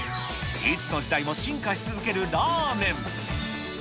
いつの時代も進化し続けるラーメン。